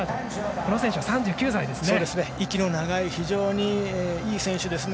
この選手も３９歳ですね。